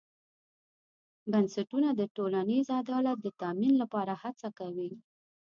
بنسټونه د ټولنیز عدالت د تامین لپاره هڅه کوي.